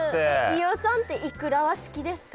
飯尾さんってイクラは好きですか？